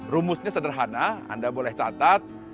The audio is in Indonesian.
rumusnya sederhana anda boleh catat